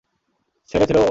ছেলে ছিল ও?